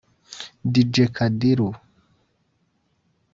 Dj Khadiru